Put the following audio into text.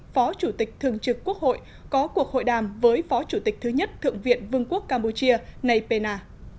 phó chủ tịch thường trực quốc hội có cuộc hội đàm với phó chủ tịch thứ nhất thượng viện vương quốc campuchia nay pena